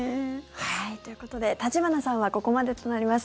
ということで橘さんはここまでとなります。